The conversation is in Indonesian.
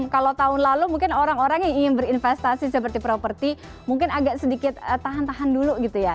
kalau tahun lalu mungkin orang orang yang ingin berinvestasi seperti properti mungkin agak sedikit tahan tahan dulu gitu ya